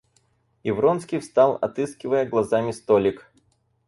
И Вронский встал, отыскивая глазами столик.